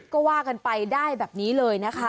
ก็ว่ากันไปได้แบบนี้เลยนะคะ